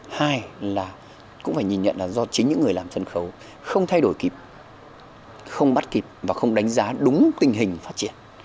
hai là cũng phải nhìn nhận là do chính những người làm sân khấu không thay đổi kịp không bắt kịp và không đánh giá đúng tình hình phát triển